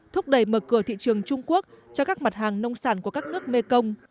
thúc đẩy mở cửa thị trường trung quốc cho các mặt hàng nông sản của các nước mekong